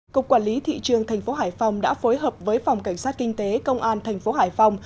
cục quản lý thị trường tp hải phòng đã phối hợp với phòng cảnh sát kinh tế công an tp hải phòng